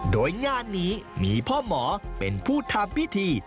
โดยงานนี้มีพ่อหมอเป็นผู้ทำพิธี